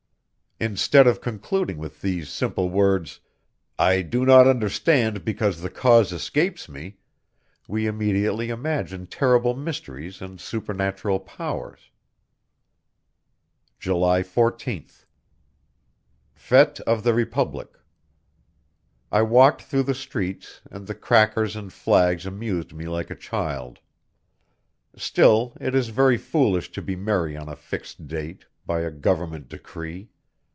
Instead of concluding with these simple words: "I do not understand because the cause escapes me," we immediately imagine terrible mysteries and supernatural powers. July 14th. Fête of the Republic. I walked through the streets, and the crackers and flags amused me like a child. Still it is very foolish to be merry on a fixed date, by a Government decree.